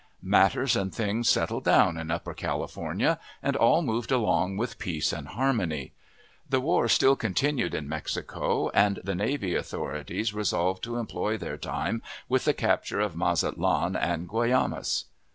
Matters and things settled down in Upper California, and all moved along with peace and harmony. The war still continued in Mexico, and the navy authorities resolved to employ their time with the capture of Mazatlan and Guaymas.